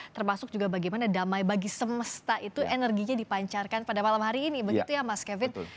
termasuk juga bagaimana damai bagi semesta itu energinya dipancarkan pada malam hari ini begitu ya mas kevin